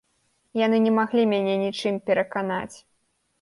Яны не маглі мяне нічым пераканаць.